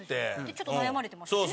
ちょっと悩まれてましたしね。